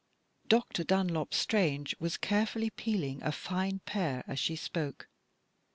Dr. Dunlop Strange was carefully peeling a fine pear as she spoke.